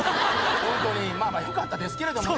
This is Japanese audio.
ホントにまぁまぁよかったですけれどもね。